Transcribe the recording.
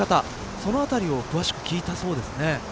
そのあたりを詳しく聞いたそうですね。